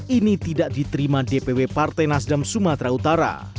ini tidak diterima dpw partai nasdem sumatera utara